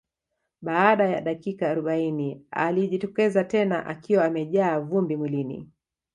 Baada ya dakika arobaini alijitokeza tena akiwa amejaa vumbi mwilini